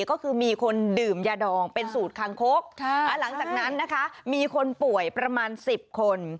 ก็คือมีคนดื่มยาดองเป็นสูตรคางคกหลังจากนั้นนะคะมีคนป่วยประมาณ๑๐คน